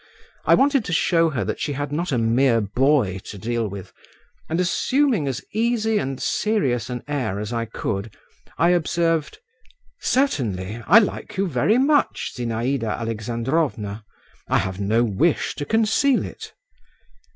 I wanted to show her that she had not a mere boy to deal with, and assuming as easy and serious an air as I could, I observed, "Certainly. I like you very much, Zinaïda Alexandrovna; I have no wish to conceal it."